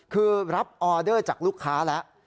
คือรับออเดอร์จากลูกค้าแล้ว